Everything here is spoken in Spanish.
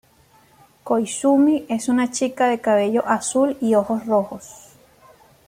Koizumi es una chica de cabello azul y ojos rojos.